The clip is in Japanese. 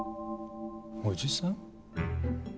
おじさん？